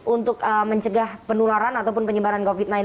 untuk mencegah penularan ataupun penyebaran covid sembilan belas